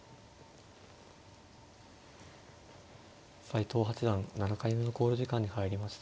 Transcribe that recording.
斎藤八段７回目の考慮時間に入りました。